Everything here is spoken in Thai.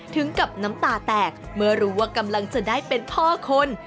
ถึงกับน้ำตาแตกเมื่อรู้ว่ากำลังจะได้เป็นพ่อคน